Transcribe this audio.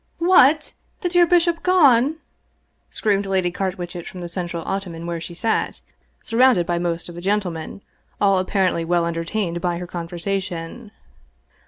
" What ! The dear bishop gone !" screamed Lady Car witchet from the central ottoman where she sat, surrounded by most of the gentlemen, all apparently well entertained by her conversation.